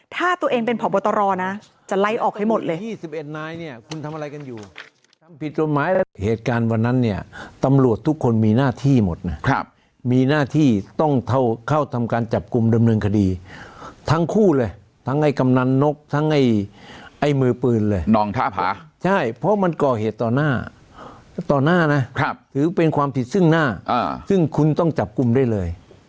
ถ้าตัวเองเป็นผอบตรนะจะไล่ออกให้หมดเลย